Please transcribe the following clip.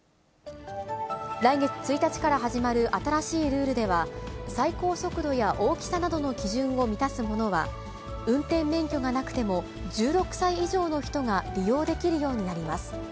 来月１日から始まる新しいルールでは、最高速度や大きさなどの基準を満たすものは、運転免許がなくても、１６歳以上の人が利用できるようになります。